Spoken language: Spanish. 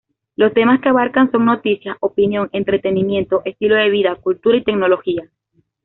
Los temas que abarca son noticias, opinión, entretenimiento, estilo de vida, cultura y tecnología.